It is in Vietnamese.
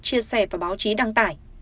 chia sẻ và báo chí đăng tải